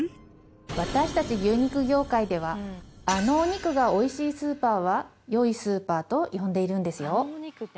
私たち牛肉業界ではあのお肉が美味しいスーパーは良いスーパーと呼んでいるんですよ。